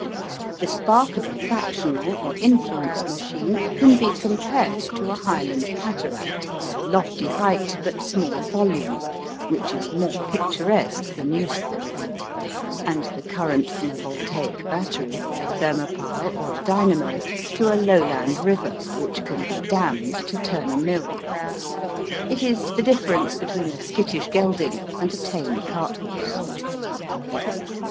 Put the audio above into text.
The spark of a factional or influence machine can be compared to a highland cataract of lofty height but small volume, which is more picturesque than useful, and the current from a voltaic battery, a thermopile, or a dynamo to a lowland river which can be dammed to turn a mill. It is the difference between a skittish gelding and a tame carthorse.